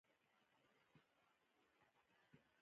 د مدیر او کارکوونکو ترمنځ کمزوری ارتباط بل لامل دی.